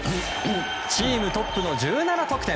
チームトップ１７得点。